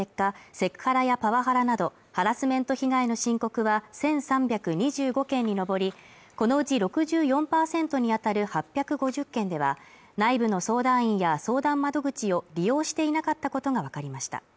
セクハラやパワハラなどハラスメント被害の申告は１３２５件に上りこのうち６４％にあたる８５０件では内部の相談員や相談窓口を利用していなかったことが分かりました